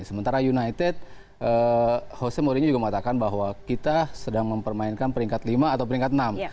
sementara united hose mourinho juga mengatakan bahwa kita sedang mempermainkan peringkat lima atau peringkat enam